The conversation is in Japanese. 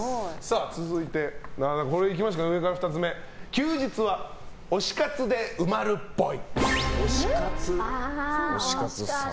続いて、上から２つ目休日は推し活で埋まるっぽい。